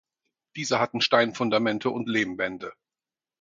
Diese hatten Steinfundamente und Lehmwände.